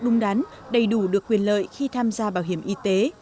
đúng đán đầy đủ được quyền lợi khi tham gia bảo hiểm y tế